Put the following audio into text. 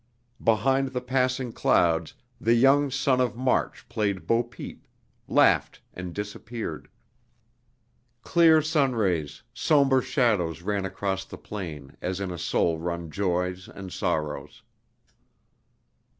Behind the passing clouds the young sun of March played bo peep, laughed and disappeared. Clear sunrays, somber shadows ran across the plain as in a soul run joys and sorrows.